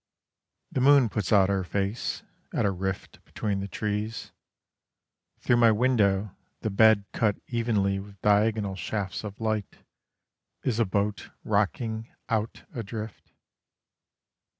The moon puts out her face at a rift between the trees; Through my window, the bed cut evenly with diagonal shafts of light, Is a boat rocking out adrift.